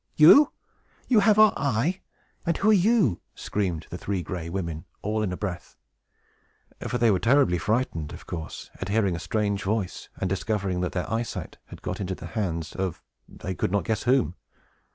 "You! you have our eye! And who are you?" screamed the Three Gray Women, all in a breath; for they were terribly frightened, of course, at hearing a strange voice, and discovering that their eyesight had got into the hands of they could not guess whom.